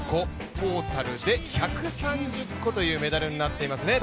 トータルで１３０個というメダルになっていますね。